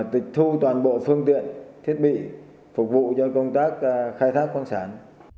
tịch thu toàn bộ phương tiện thiết bị phục vụ cho công tác khai thác khoáng sản